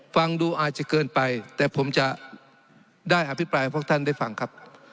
ฟังดูอาจจะเกินไปแต่ผมจะได้อภิปรายพวกท่านได้ฟังครับ